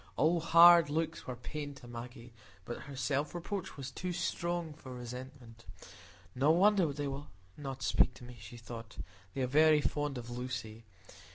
All hard looks were pain to Maggie, but her self reproach was too strong for resentment. No wonder they will not speak to me, she thought; they are very fond of Lucy.